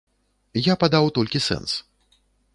Я падаў толькі сэнс.